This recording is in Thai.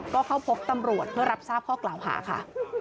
ก็เข้าพบตำรวจเพื่อรับทราบข้อกล่าวหาค่ะ